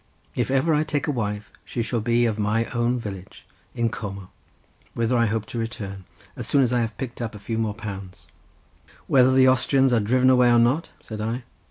If ever I take a wife she shall be of my own village, in Como, whither I hope to return, as soon as I have picked up a few more pounds." "Whether the Austrians are driven away or not?" said I.